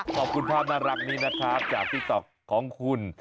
ขอบคุณภาพน่ารักนี้นะครับจากติ๊กต๊อกของคุณ